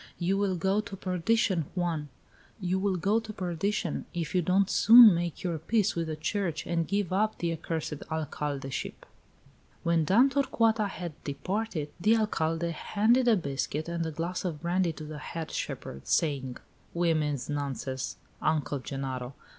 You will go to perdition, Juan, you will go to perdition, if you don't soon make your peace with the church and give up the accursed alcaldeship!" When Dame Torcuata had departed, the Alcalde handed a biscuit and a glass of brandy to the head shepherd, saying: "Women's nonsense, Uncle Genaro!